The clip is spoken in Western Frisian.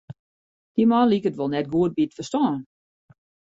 Dy man liket wol net goed by it ferstân.